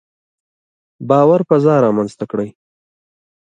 باور فضا رامنځته کړئ.